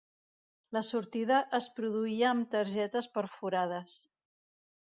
La sortida es produïa amb targetes perforades.